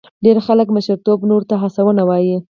ډېر خلک مشرتوب نورو ته هڅونه وایي.